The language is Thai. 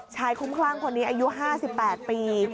ชายคุ้มคลั่งคนนี้อายุ๕๘ปี